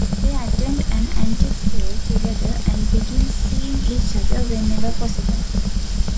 They attend an antique sale together and begin seeing each other whenever possible.